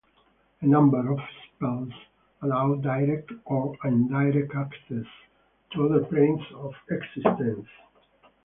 A number of spells allow direct or indirect access to other planes of existence.